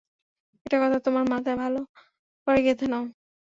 একটা কথা তোমার মাথায় ভালো করে গেঁথে নাও।